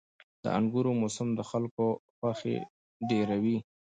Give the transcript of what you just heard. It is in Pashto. • د انګورو موسم د خلکو خوښي ډېروي.